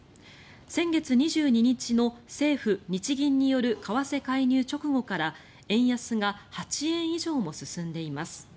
先月２２日の政府・日銀による為替介入直後から円安が８円以上も進んでいます。